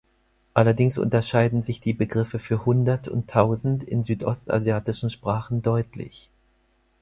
Allerdings unterscheiden sich die Begriffe für Hundert und Tausend in den südostasiatischen Sprachen deutlich.